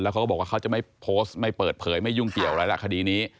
เขาก็บอกว่าเขาจะไม่โพสต์ไม่เปิดเผยไม่ยุ่งเกี่ยวอะไรล่ะคดีนี้